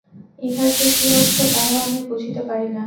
ইহার যে কি অর্থ, তাহাও আমি বুঝিতে পারি না।